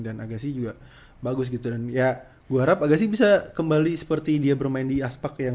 dan agassi juga bagus gitu dan ya gua harap agar bisa kembali seperti dia bermain di aspac yang